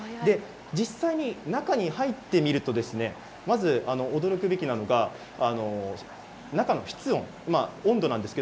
実際に中に入ってみるとまず驚くべきなのが中の室温です。